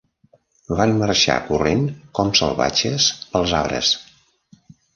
Van marxar corrent com salvatges pels arbres.